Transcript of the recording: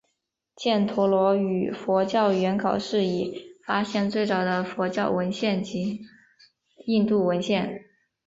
犍陀罗语佛教原稿是已发现最早的佛教文献及印度文献。